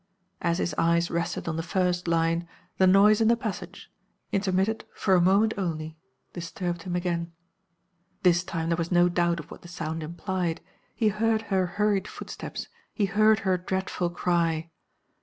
As his eyes rested on the first line the noise in the passage intermitted for a moment only disturbed him again. This time there was no doubt of what the sound implied. He heard her hurried footsteps; he heard her dreadful cry.